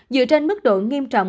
dựa trên mức độ nghiêm trọng